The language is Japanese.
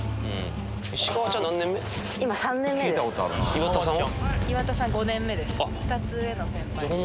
・・岩田さんは？